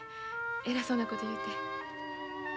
偉そうなこと言うて。